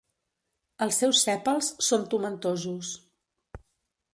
Els seus sèpals són tomentosos.